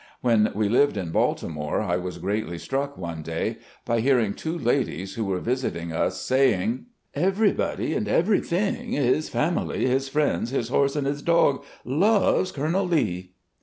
When we lived in Baltimore, I was greatly struck one day by hearing two ladies who were visiting us saying: "Everybody and everything — ^his family, his friends, his horse, and his dog — cloves Colonel Lee."